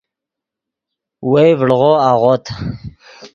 وئے ڤڑغو اغوت